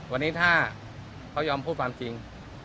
วันนี้ถ้าเขายอมพูดความจริง